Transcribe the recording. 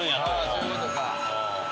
そういうことか。